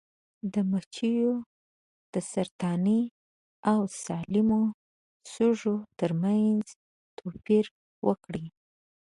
مچیو د سرطاني او سالمو سږو ترمنځ توپیر وکړ.